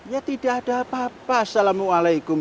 ya tidak ada apa apa assalamualaikum